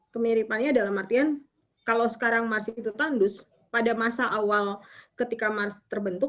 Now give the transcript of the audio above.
kemiripannya dalam artian kalau sekarang mars itu tandus pada masa awal ketika mars terbentuk